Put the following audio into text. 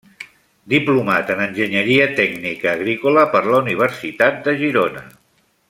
Diplomat en Enginyeria Tècnica Agrícola per la Universitat de Girona.